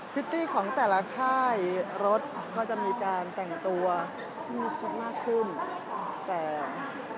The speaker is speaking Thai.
ิตตี้ของแต่ละค่ายรถก็จะมีการแต่งตัวที่มีชุดมากขึ้นแต่